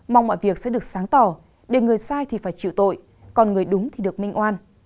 mong mọi việc sẽ được sáng tỏ để người sai thì phải chịu tội còn người đúng thì được minh oan